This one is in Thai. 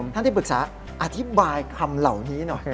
ท่านที่ปรึกษาอธิบายคำเหล่านี้หน่อย